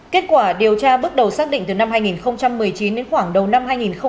kết quả điều tra bước đầu xác định từ năm hai nghìn một mươi chín đến khoảng đầu năm hai nghìn hai mươi